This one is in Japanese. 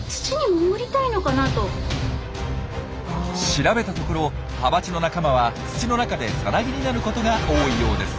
調べたところハバチの仲間は土の中でさなぎになることが多いようです。